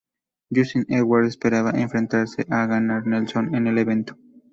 Justin Edwards esperaba enfrentarse a Gunnar Nelson en el evento.